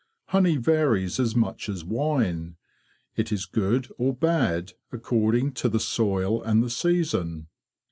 Honey varies as much as wine. It is good or bad accord ing to the soil and the season.